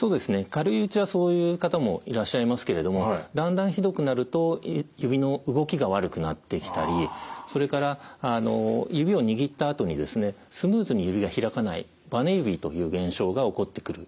軽いうちはそういう方もいらっしゃいますけれどもだんだんひどくなると指の動きが悪くなってきたりそれから指を握ったあとにスムーズに指が開かないばね指という現象が起こってくる。